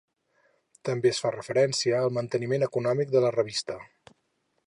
També es fa referència al manteniment econòmic de la revista.